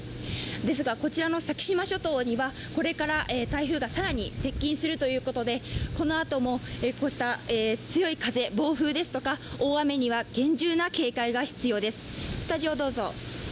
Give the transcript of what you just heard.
ですがこちらの先島諸島にはこれから台風が更に接近するということでこのあともこうした強い風、暴風ですとか、大雨には厳重な警戒が必要です。